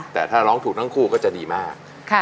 แต่ถ้าร้องถูกทั้งคู่ก็จะดีมาก